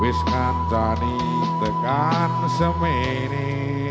wiskancani tekan semeni